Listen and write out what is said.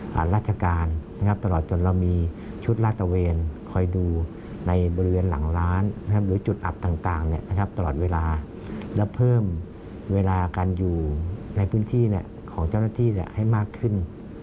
ราชการตลอดจนเรามีชุดลาดตะเวนคอยดูในบริเวณหลังร้านหรือจุดอับต่างตลอดเวลาและเพิ่มเวลาการอยู่ในพื้นที่ของเจ้าหน้าที่ให้มากขึ้น